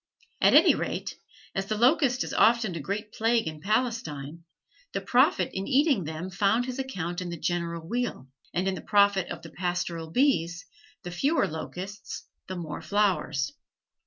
At any rate, as the locust is often a great plague in Palestine, the prophet in eating them found his account in the general weal, and in the profit of the pastoral bees; the fewer locusts, the more flowers.